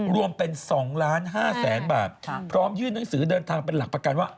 รวมเป็น๒ล้าน๕แสนบาทพร้อมยื่นหนังสือเดินทางเป็นหลักประกันว่า